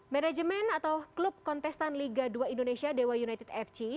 manajemen atau klub kontestan liga dua indonesia dewa united fc